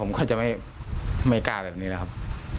ไม่กล้าแบบนี้แล้วครับ